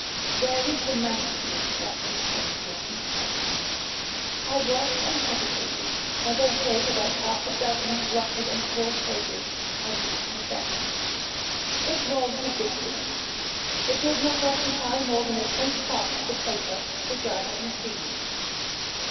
Where is the manuscript that contains your confession?' I blushed and hesitated, as I showed about half a dozen blotted and scrawled pages as my confession. It was ridiculous. It did not occupy more than a tenth part of the paper which I had received.